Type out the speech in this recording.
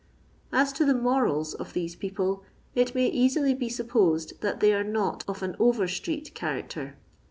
As to the m9rals of these people, it may easily be supposed that they are not of on over strict character.